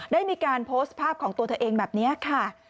ได้มีการโพสต์ภาพของตัวเธอเองแบบนี้ค่ะ